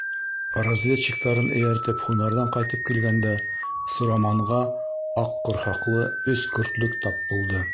Разведчиктарын эйәртеп һунарҙан ҡайтып килгәндә Сураманға Аҡ ҡорһаҡлы өс көртлөк тап булды.